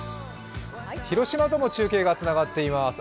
広島とも中継が広がっています。